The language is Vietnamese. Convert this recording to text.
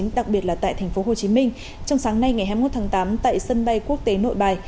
đặc biệt là tại thành phố hồ chí minh trong sáng nay ngày hai mươi một tháng tám tại sân bay quốc tế nội bài